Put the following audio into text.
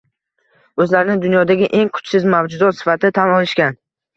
O’zlarini dunyodagi eng kuchsiz mavjudot sifatida tan olishgan.